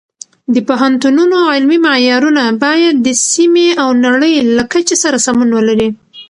د پوهنتونونو علمي معیارونه باید د سیمې او نړۍ له کچې سره سمون ولري.